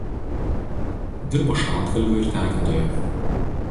Dirbo šaltkalviu ir tekintoju.